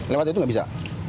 lewat itu tidak bisa